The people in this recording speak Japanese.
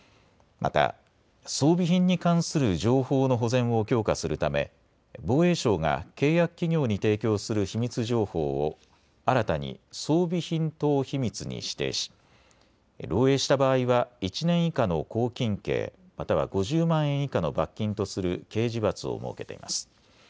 また装備品に関する情報の保全を強化するため防衛省が契約企業に提供する秘密情報を新たに装備品等秘密に指定し漏えいした場合は１年以下の拘禁刑または５０万円以下の罰金とする刑事罰を設けています。